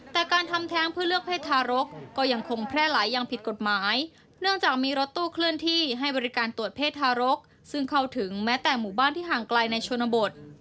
แต่การทำแท้งเพื่อเลือกเพศทารกก็ยังคงแพร่หลายอย่างผิดกฎหมายเนื่องจากมีรถตู้เคลื่อนที่ให้บริการตรวจเพศทารกซึ่งเข้าถึงแม้แต่หมู่บ้านที่ห่างไกลในชนบท